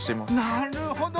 なるほど。